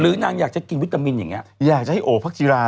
หรือนางอยากจะกินวิตามินอย่างเงี้ยอยากจะให้โอ้ภักษธิรา